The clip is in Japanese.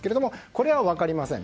これは分かりません。